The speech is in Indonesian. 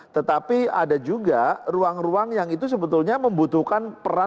tetapi ada juga ruang ruang yang itu sebetulnya membutuhkan peran